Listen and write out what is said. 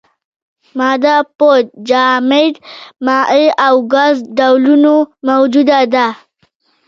ماده په جامد، مایع او ګاز ډولونو موجوده ده.